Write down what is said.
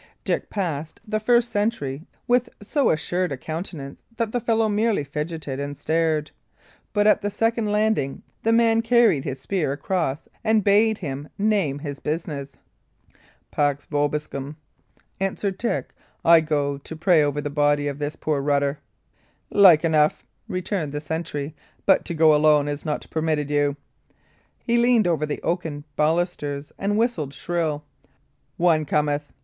Dick passed the first sentry with so assured a countenance that the fellow merely figeted and stared; but at the second landing the man carried his spear across and bade him name his business. "Pax vobiscum," answered Dick. "I go to pray over the body of this poor Rutter." "Like enough," returned the sentry; "but to go alone is not permitted you." He leaned over the oaken balusters and whistled shrill. "One cometh!"